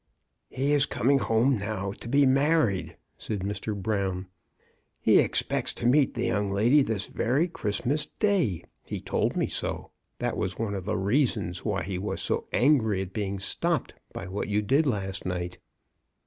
"He is coming home now to be married," said Mr. Brown. " He expects to meet the young lady this very Christmas day. He told me so. That was one of the reasons why he was so angry at being stopped by what you did last night."